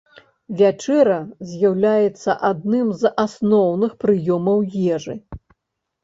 Вячэра з'яўляецца адным з асноўных прыёмаў ежы.